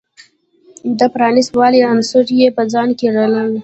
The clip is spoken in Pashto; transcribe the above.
د پرانیست والي عناصر یې په ځان کې لرلی.